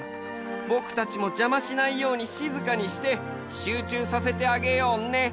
ぼくたちもじゃましないようにしずかにして集中させてあげようね。